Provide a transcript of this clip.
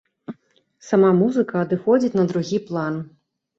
Сама музыка адыходзіць на другі план.